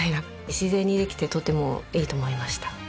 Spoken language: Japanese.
自然にできてとてもいいと思いました。